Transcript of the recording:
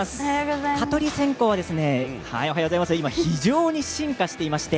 蚊取り線香は今非常に進化しています。